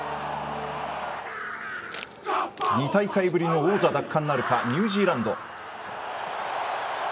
２大会ぶりの王座奪還なるかニュージーランド。